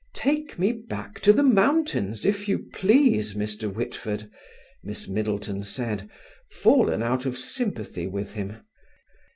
"Take me back to the mountains, if you please, Mr. Whitford," Miss Middleton said, fallen out of sympathy with him.